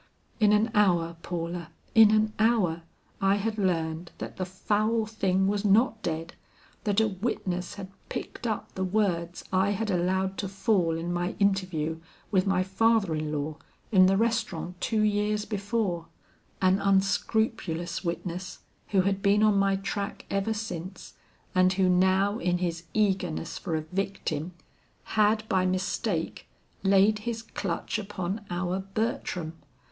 In an hour, Paula, in an hour, I had learned that the foul thing was not dead, that a witness had picked up the words I had allowed to fall in my interview with my father in law in the restaurant two years before; an unscrupulous witness who had been on my track ever since, and who now in his eagerness for a victim, had by mistake laid his clutch upon our Bertram.